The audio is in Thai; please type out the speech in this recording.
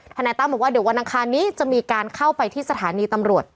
นายตั้มบอกว่าเดี๋ยววันอังคารนี้จะมีการเข้าไปที่สถานีตำรวจ